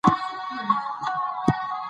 کله به موږ خپل نوی لباس ترلاسه کړو؟